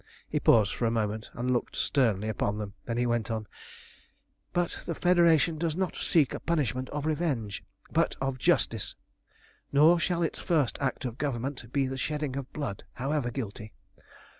He paused for a moment, and looked sternly upon them. Then he went on "But the Federation does not seek a punishment of revenge, but of justice; nor shall its first act of government be the shedding of blood, however guilty.